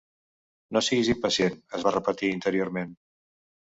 "No siguis impacient", es va repetir interiorment.